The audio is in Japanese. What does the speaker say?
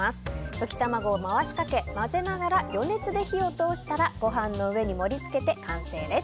溶き卵を回しかけ、混ぜながら余熱で火を通したらご飯の上に盛りつけて完成です。